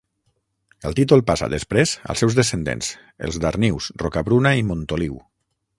El títol passa, després, als seus descendents: els Darnius, Rocabruna i Montoliu.